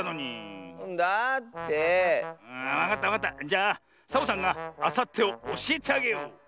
じゃあサボさんがあさってをおしえてあげよう。